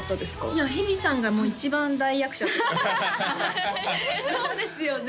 いや蛇さんがもう一番大役者でしたそうですよね